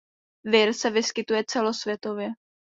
Vir se vyskytuje celosvětově.